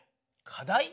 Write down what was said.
課題？